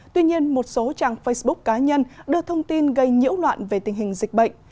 tuy nhiên một số trang facebook cá nhân đưa thông tin gây nhiễu loạn về tình hình dịch bệnh